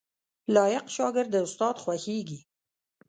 لايق شاګرد د استاد خوښیږي